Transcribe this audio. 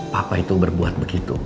papa itu berbuat begitu